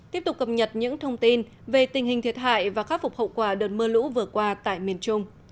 tiếp tục cập nhật những thông tin về tình hình thiệt hại và khắc phục hậu quả đợt mưa lũ vừa qua tại miền trung